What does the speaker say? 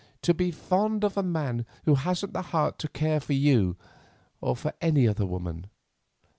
To be fond of a man who hasn't the heart to care for you or for any other woman.